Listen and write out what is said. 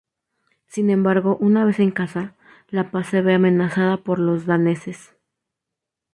Sin embargo una vez en casa, la paz se ve amenazada por los daneses.